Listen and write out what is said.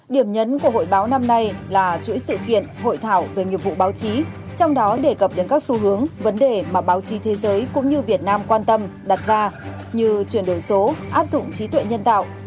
điểm nhấn của hội báo năm nay là chuỗi sự kiện hội thảo về nghiệp vụ báo chí trong đó đề cập đến các xu hướng vấn đề mà báo chí thế giới cũng như việt nam quan tâm đặt ra như chuyển đổi số áp dụng trí tuệ nhân tạo